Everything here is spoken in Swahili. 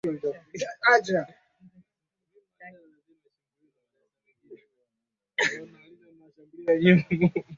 ina maana tu tunataka utulivu ambao ume umeshinda nchini